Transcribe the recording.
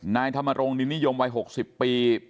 นายธรรมรงคนินนิยมวัย๖๐ปี